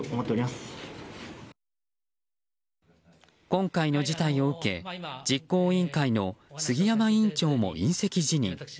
今回の事態を受け実行委員会の杉山委員長も引責辞任。